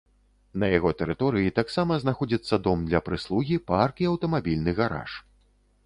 На яго тэрыторыі таксама знаходзіцца дом для прыслугі, парк і аўтамабільны гараж.